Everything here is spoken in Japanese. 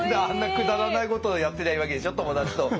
あんなくだらないことをやってりゃいいわけでしょ友達と。